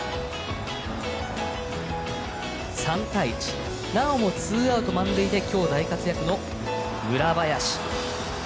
３対１、なおもツーアウト満塁で今日、大活躍の村林。